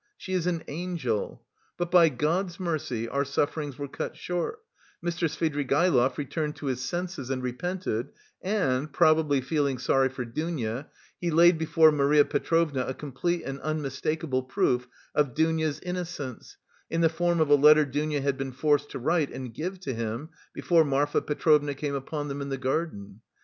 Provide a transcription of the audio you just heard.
She is an angel! But by God's mercy, our sufferings were cut short: Mr. Svidrigaïlov returned to his senses and repented and, probably feeling sorry for Dounia, he laid before Marfa Petrovna a complete and unmistakable proof of Dounia's innocence, in the form of a letter Dounia had been forced to write and give to him, before Marfa Petrovna came upon them in the garden.